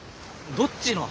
どっちの？